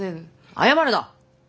謝るな。